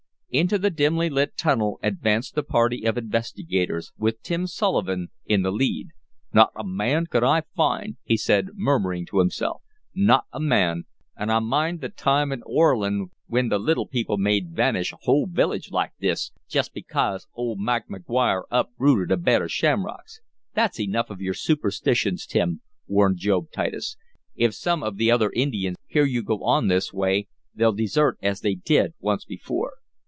Into the dimly lit tunnel advanced the party of investigators, with Tim Sullivan in the lead. "Not a man could I find!" he said, murmuring to himself. "Not a man! An' I mind th' time in Oireland whin th' little people made vanish a whole village like this, jist bekase ould Mike Maguire uprooted a bed of shamrocks." "That's enough of your superstitions, Tim," warned Job Titus. "If some of the other Indians hear you go on this way they'll desert as they did once before."